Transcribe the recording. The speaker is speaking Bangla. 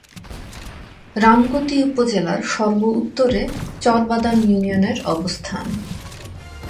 রামগতি উপজেলার সর্ব-উত্তরে চর বাদাম ইউনিয়নের অবস্থান।